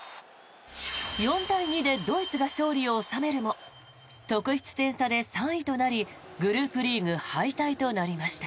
４対２でドイツが勝利を収めるも得失点差で３位となりグループリーグ敗退となりました。